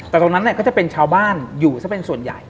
แต่ตรงนั้นก็จะเป็นชาวบ้านอยู่ซะเป็นส่วนใหญ่